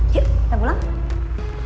yuk kita pulang